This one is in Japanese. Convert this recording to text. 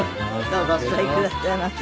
どうぞお座りくださいませ。